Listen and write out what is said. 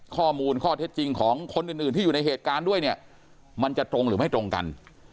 ข้อมูลข้อเท็จจริงของคนอื่นที่อยู่ในเหตุการณ์ด้วยเนี่ยมันจะตรงหรือไม่ตรงกัน